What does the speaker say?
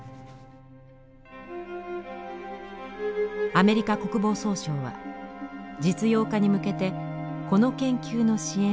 アメリカ国防総省は実用化に向けてこの研究の支援を続けています。